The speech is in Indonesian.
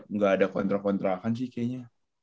enggak ada kontrakan sih kayaknya